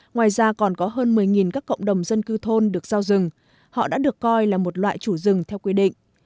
ngoài ra còn có hơn một mươi các cộng đồng dân cư thôn được giao rừng họ đã được coi là một loại chủ rừng theo quy định